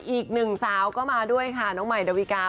อีกหนึ่งสาวก็มาด้วยค่ะน้องใหม่ดาวิกา